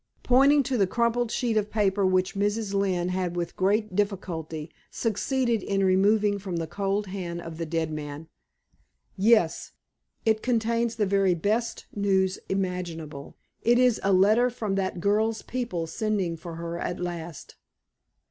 pointing to the crumpled sheet of paper which Mrs. Lynne had with great difficulty succeeded in removing from the cold hand of the dead man. "Yes. It contains the very best news imaginable. It is a letter from that girl's people sending for her at last."